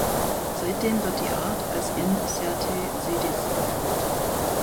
Seitdem wird die Art als Incertae sedis geführt.